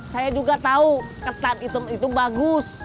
saya juga tahu ketan itu bagus